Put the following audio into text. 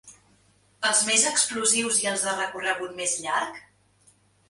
Els més explosius i els de recorregut més llarg?